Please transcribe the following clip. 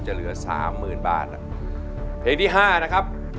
เหลือสามหมื่นบาทเพลงที่ห้านะครับ